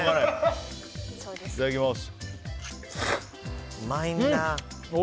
いただきます。